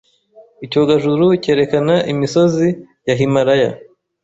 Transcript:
Icyogajuru cyerekana imisozi ya Himalaya